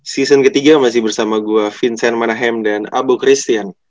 season ketiga masih bersama gue vincent manahem dan abu christian